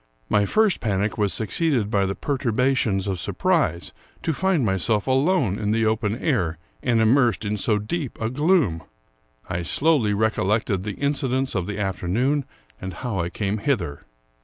My first panic was succeeded by the perturba tions of surprise to find myself alone in the open air and immersed in so deep a gloom. I slowly recollected the in cidents of the afternoon, and how I came hither.